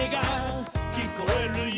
「きこえるよ」